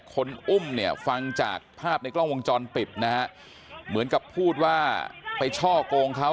คนอุ้มเนี่ยฟังจากภาพในกล้องวงจรปิดนะฮะเหมือนกับพูดว่าไปช่อกงเขา